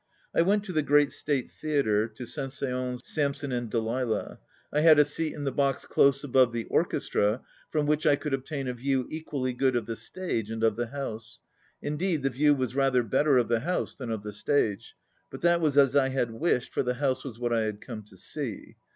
I went to the Great State Theatre to Saint Saens' "Samson and Delila:h." I had a seat in the 90 box close above the orchestra, from which I could obtain a view equally good of the stage and of the house. Indeed, the view was rather better of the house than of the stage. But that was as I had wished, for the house was what I had come to see.